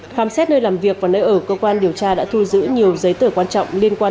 khám xét nơi làm việc và nơi ở cơ quan điều tra đã thu giữ nhiều giấy tờ quan trọng liên quan